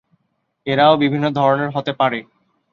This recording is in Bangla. এরাও বিভিন্ন ধরনের হতে পারে।